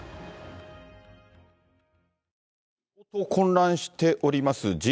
混乱しております